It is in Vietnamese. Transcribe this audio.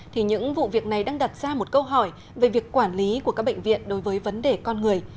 thì những vụ việc này đang đặt ra một câu hỏi về việc quản lý của các bệnh viện đối với vấn đề con người